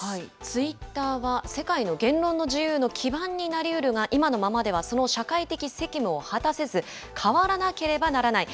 ツイッターは世界の言論の自由の基盤になりうるが、今のままではその社会的責務を果たせず、変わらなければならない。